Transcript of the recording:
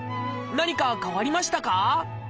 何か変わりましたか？